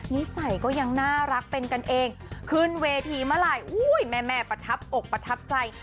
นิสัยก็ยังน่ารักเป็นกันเองขึ้นเวทีเมื่อไหร่อุ้ยแม่ประทับอกประทับใจ